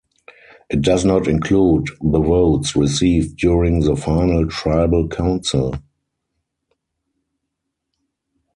It does not include the votes received during the final Tribal Council.